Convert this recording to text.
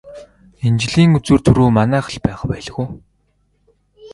Энэ жилийн үзүүр түрүү манайх л байх байлгүй.